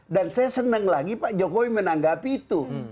dan saya senang lagi pak jokowi menanggapi itu